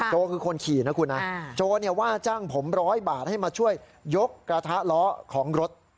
คือคนขี่นะคุณนะโจว่าจ้างผม๑๐๐บาทให้มาช่วยยกกระทะล้อของรถ